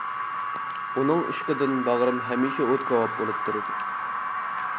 ئۇنىڭ ئىشقىدىن باغرىم ھەمىشە ئوت كاۋاپ بولۇپ تۇرىدۇ.